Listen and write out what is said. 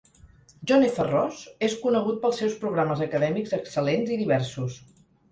John F. Ross és conegut pels seus programes acadèmics excel·lents i diversos.